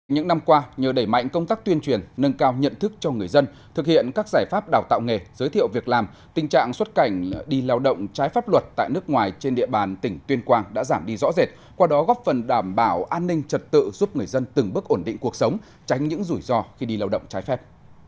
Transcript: những năm qua nhờ đẩy mạnh công tác tuyên truyền nâng cao nhận thức cho người dân thực hiện các giải pháp đào tạo nghề giới thiệu việc làm tình trạng xuất cảnh đi lao động trái pháp luật tại nước ngoài trên địa bàn tỉnh tuyên quang đã giảm đi rõ rệt qua đó góp phần đảm bảo an ninh trật tự giúp người dân từng bước ổn định cuộc sống tránh những rủi ro khi đi lao động trái phép